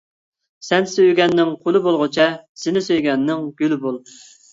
سەن سۆيگەننىڭ قۇلى بولغۇچە، سىنى سۆيگەننىڭ گۈلى بول.